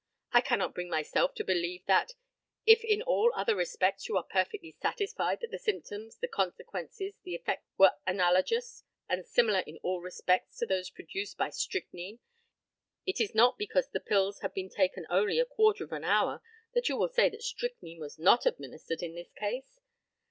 I cannot bring myself to believe that, if in all other respects you are perfectly satisfied that the symptoms, the consequences, the effects were analogous, and similar in all respects to those produced by strychnine, it is not because the pills have been taken only a quarter of an hour that you will say strychnine was not administered in this case.